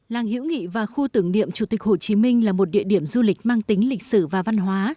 làng hiễu nghị và khu tưởng niệm chủ tịch hồ chí minh là một địa điểm du lịch mang tính lịch sử và văn hóa